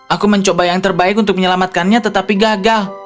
aku mencoba yang terbaik untuk menyelamatkannya tetapi gagal